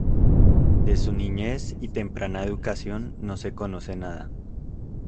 De su niñez y temprana educación no se conoce nada.